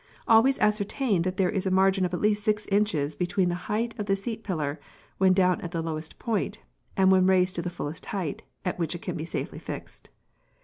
Always ascertain that there is a margin of at least six inches between the height of the seat pillar, when down at the lowest point, and when raised to the fullest height at which it can be safely fixed.